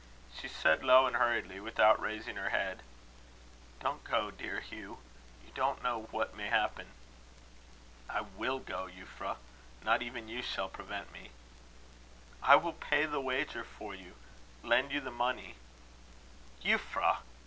She said, low and hurriedly, without raising her head: "Don't go, dear Hugh. You don't know what may happen." "I will go, Euphra. Not even you shall prevent me." "I will pay the wager for you lend you the money." "Euphra!"